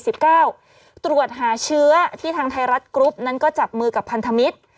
ตรวจหาเชื้อที่ทางไทยรัฐกรุ๊ปนั้นก็จับมือกับพันธมิตร